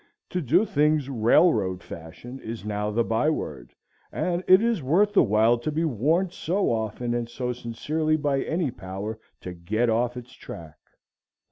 To do things "railroad fashion" is now the by word; and it is worth the while to be warned so often and so sincerely by any power to get off its track.